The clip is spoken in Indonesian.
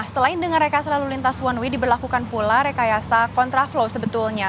selain dengan rekayasa lalu lintas one way diberlakukan pula rekayasa kontraflow sebetulnya